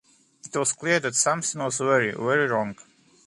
It was clear that something was very, very wrong.